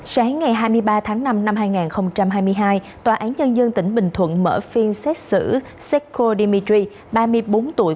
sáng ngày hai mươi ba tháng năm năm hai nghìn hai mươi hai tòa án nhân dân tỉnh bình thuận mở phiên xét xử sécco dmitry ba mươi bốn tuổi